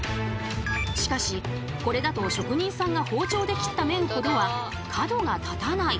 しかしこれだと職人さんが包丁で切った麺ほどは角が立たない。